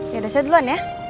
ya udah saya duluan ya